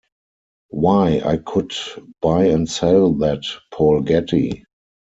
Why I could buy and sell that Paul Getty.